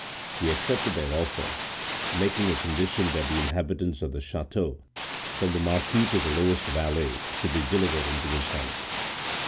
He accepted their offer, making a condition that the inhabitants of the chateau, from the marquis to the lowest valet, should be delivered into his hands.